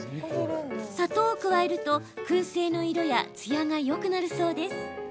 砂糖を加えると、くん製の色やツヤがよくなるそうです。